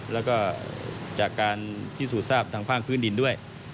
แล้วก็จากการพิสูจน์ทราบทางภาคพื้นดินด้วย